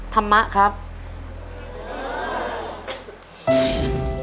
ธรรมะครับ